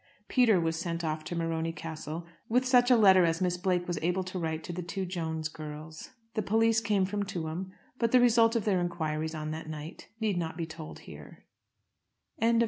Peter was sent off to Morony Castle with such a letter as Miss Blake was able to write to the two Jones girls. The police came from Tuam, but the result of their enquiries on that night need not be told here. CHAPTER XXXI.